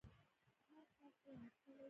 هر ښار خپله نقشه لري.